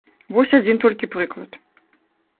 Вось адзін толькі прыклад.